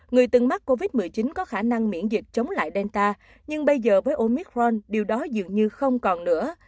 người từng mắc covid một mươi chín có khả năng miễn dịch chống lại delta nhưng bây giờ với omic ron điều đó dường như không còn nữa